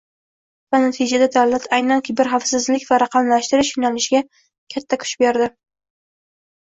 va natijada davlat aynan kiberxavfsizlik va raqamlashtirish yoʻnalishiga katta kuch berdi.